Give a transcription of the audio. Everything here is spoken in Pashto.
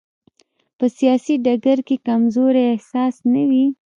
په سیاسي ډګر کې کمزورۍ احساس نه وي.